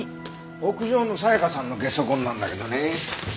屋上の沙也加さんのゲソ痕なんだけどね